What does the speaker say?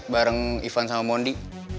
bareng ivan sama monde